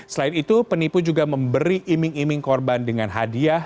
selain itu penipu juga memberi iming iming korban dengan hadiah